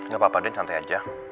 gapapa din santai aja